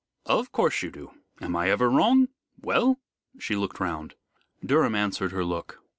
"Of course you do. Am I ever wrong? Well?" She looked round. Durham answered her look.